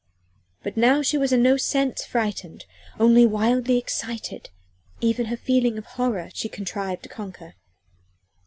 But now she was in no sense frightened, only wildly excited; even her feeling of horror she contrived to conquer.